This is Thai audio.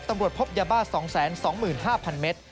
ตำรวจพบยาบ้า๒๒๕๐๐๐เมตร